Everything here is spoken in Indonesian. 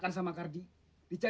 karas kamisateur sopan